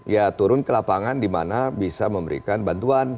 ya turun ke lapangan dimana bisa memberikan bantuan